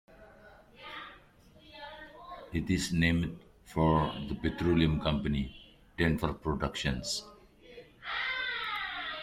It is named for the petroleum company, Denver Productions.